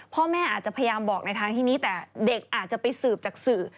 พ่อแม่อาจจะพยายามบอกในทางที่นี้แต่เด็กอาจจะไปสืบจากสื่อ